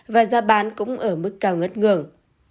và giá bán cũng ở mức cao ngất ngưỡng